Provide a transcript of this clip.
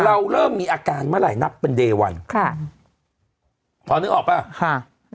เราเริ่มมีอาการเมื่อไหร่นับเป็นเดวันค่ะพอนึกออกป่ะค่ะ